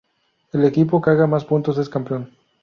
El equipo que haga más punto es campeón.